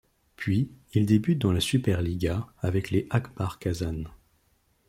Puis, il débute dans la Superliga avec les Ak Bars Kazan.